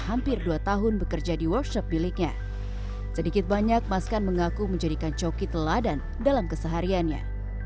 hampir dua tahun bekerja di workshop miliknya sedikit banyak maskan mengaku menjadikan coki teladan dalam kesehariannya